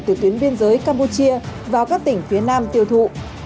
từ tuyến biên giới campuchia vào các tỉnh phía nam tiêu thụ